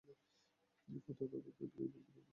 এই কথা কবে গান গেয়ে বলতে পারব?